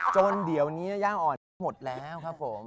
จนเดี๋ยวนี้ย่างอ่อนก็หมดแล้วครับผม